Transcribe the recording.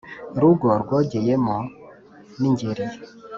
Rugo rwogeyemo n' Ingeri